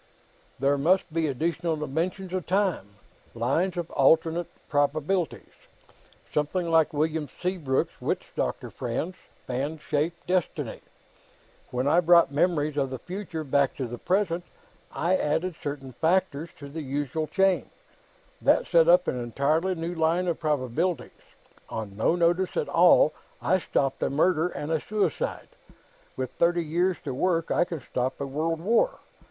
There must be additional dimensions of time; lines of alternate probabilities. Something like William Seabrook's witch doctor friend's Fan Shaped Destiny. When I brought memories of the future back to the present, I added certain factors to the causal chain. That set up an entirely new line of probabilities. On no notice at all, I stopped a murder and a suicide. With thirty years to work, I can stop a world war.